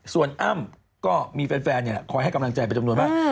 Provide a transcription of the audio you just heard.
ส่วนอ้ำก็มีแฟนคอยให้กำลังใจเป็นจำนวนมาก